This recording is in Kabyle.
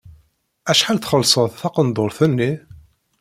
Acḥal txellseḍ taqendurt-nni?